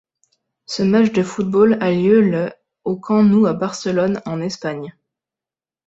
Ce match de football a lieu le au Camp Nou à Barcelone, en Espagne.